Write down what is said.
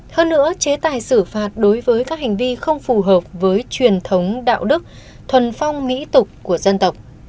hơn nữa chế tài xử phạt đối với các hành vi không phù hợp với truyền thống đạo đức thuần phong mỹ tục của dân tộc